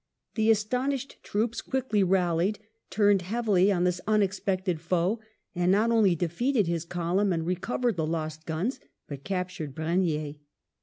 The astonished troops quickly rallied^ turned heavily on this unexpected foe, and not only defeated his column and recovered the lost guns, but captured Brenier.